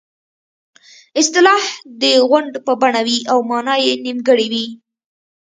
اصطلاح د غونډ په بڼه وي او مانا یې نیمګړې وي